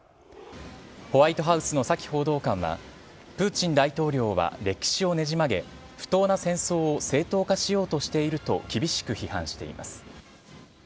ホワイトハウスのサキ報道官は、プーチン大統領は歴史をねじ曲げ、不当な戦争を正当化しようとしていると厳しく批判しています。